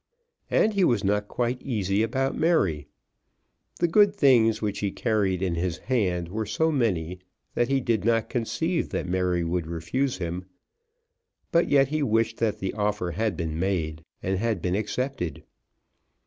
And he was not quite easy about Mary. The good things which he carried in his hand were so many that he did not conceive that Mary would refuse him; but yet he wished that the offer had been made, and had been accepted.